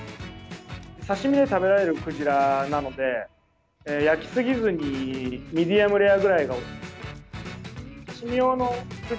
刺身で食べられるクジラなので焼きすぎずにミディアムレアぐらいがおすすめです。